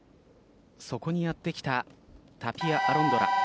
そこにやってきたタピア・アロンドラ。